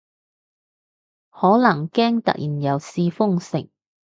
可能驚突然又試封城